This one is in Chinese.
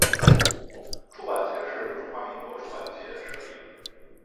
出版节是中华民国出版界设立。